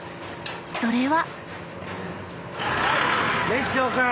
それは。